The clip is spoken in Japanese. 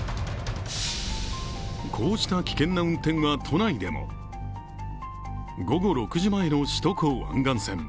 こうした危険な運転は都内でも午後６時前の首都高湾岸線。